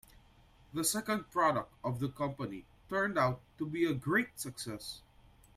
The second product of the company turned out to be a great success.